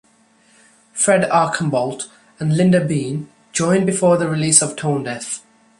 Fred Archambault and Linda Bean joined before the release of Tonedeaf.